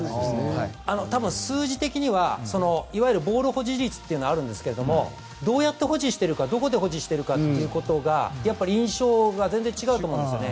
数字的にはいわゆるボール保持率というのがあるんですけどどうやって保持しているかどこで保持しているかで印象が全然違うと思いますね。